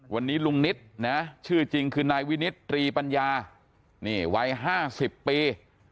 วันนี้ลุงนิดนะชื่อจริงคือนายวินิตรีปัญญานี่วัย๕๐ปี